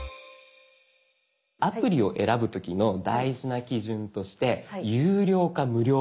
アプリを選ぶ時の大事な基準として有料か無料か。